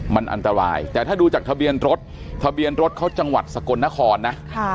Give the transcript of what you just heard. มันอันตรายแต่ถ้าดูจากทะเบียนรถทะเบียนรถเขาจังหวัดสกลนครนะ